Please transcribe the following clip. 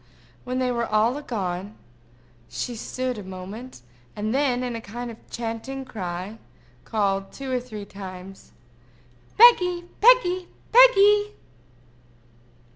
When they were all gone, she stood a moment, and then, in a kind of chanting cry, called, two or three times, "Peggy! Peggy! Peggy!"